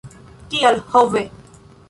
Kial, ho ve!